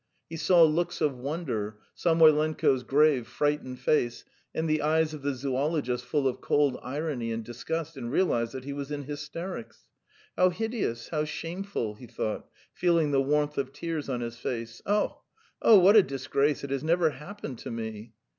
He saw looks of wonder, Samoylenko's grave, frightened face, and the eyes of the zoologist full of cold irony and disgust, and realised that he was in hysterics. "How hideous, how shameful!" he thought, feeling the warmth of tears on his face. "... Oh, oh, what a disgrace! It has never happened to me.